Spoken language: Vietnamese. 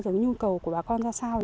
cái nhu cầu của bà con ra sao